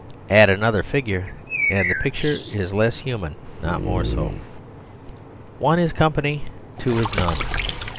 Add another figure and the picture is less human not more so. One is company, two is none.